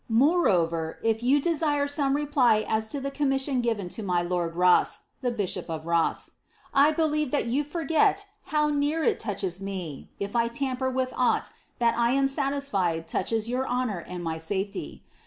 Moreover, if you desire some reply as to the commission given to my lord Ro«t (Iht bMap of Sou). I believe that yon forget how near it touches me if I tamper with aughl thai 1 am satisfied touches your honour and my safety.